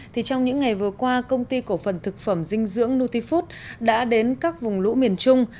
thì trong những ngày vừa qua công ty cổ phần thực phẩm dinh dưỡng nutifood đã đến các vùng lũ miền trung